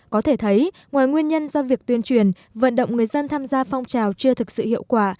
có thể thấy ngoài nguyên nhân do việc tuyên truyền vận động người dân tham gia phong trào chưa thực sự hiệu quả